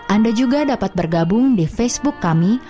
anda juga dapat bergabung di facebook kami